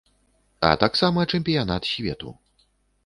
А таксама чэмпіянат свету.